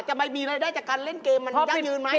จะมีรายได้จากการเล่นเกมมันยั่งยืนไหม